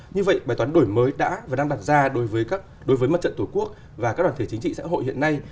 như vậy bài toán đổi mới đã và đang đặt ra đối với mặt trận tổ quốc và các đoàn thể chính trị xã hội hiện nay